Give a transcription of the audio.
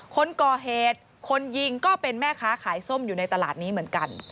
คนก่อเหตุคนยิงก็เป็นแม่ค้าขายส้มอยู่ในตลาดนี้เหมือนกัน